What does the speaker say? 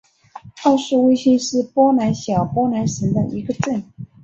奥斯威辛是波兰小波兰省的一个镇。